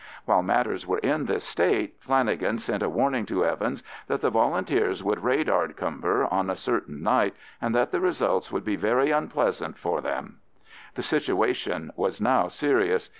While matters were in this state Flanagan sent a warning to Evans that the Volunteers would raid Ardcumber on a certain night, and that the results would be very unpleasant for them. The situation was now serious.